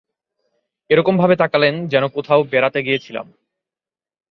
এরকমভাবে তাকালেন যেন কোথাও বেড়াতে গিয়েছিলাম।